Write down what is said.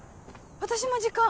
私も時間。